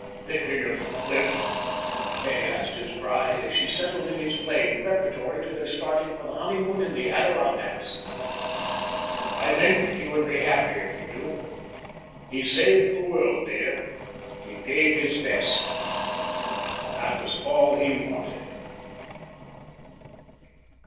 "Thinking of Cliff?" Kay asked his bride, as she settled in his plane preparatory to their starting for the honeymoon in the Adirondacks. "I think he would be happy if he knew. He saved the world, dear; he gave his best. And that was all he wanted."